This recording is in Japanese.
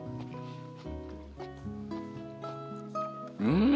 うん！